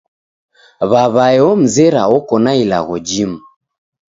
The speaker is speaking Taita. W'aw'ae omzera oko na ilagho jimu!